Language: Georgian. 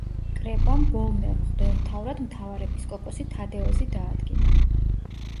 კრებამ ბოლნელ მღვდელმთავრად მთავარეპისკოპოსი თადეოზი დაადგინა.